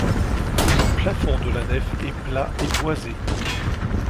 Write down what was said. Le plafond de la nef est plat et boisé.